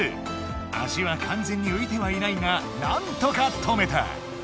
足はかんぜんにういてはいないがなんとか止めた！